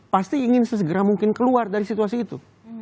pasti ingin sesegera mungkin keluar dari situasi itu